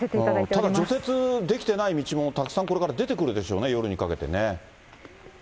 ただ、除雪できてない道も、たくさんこれから出てくるでしょうね、夜にかけてね。